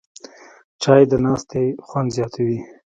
چای د ناستې خوند زیاتوي